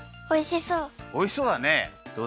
おいしそう！